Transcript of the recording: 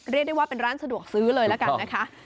เรียกได้ว่าเป็นร้านสะดวกซื้อเลยละกันนะคะ